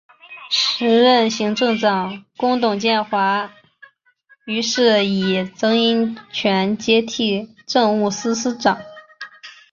时任行政长官董建华于是以曾荫权接替政务司司长。